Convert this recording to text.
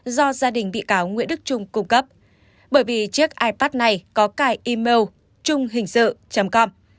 do gia đình bị cáo nguyễn đức trung cung cấp bởi vì chiếc ipad này có cài email trunghình sự com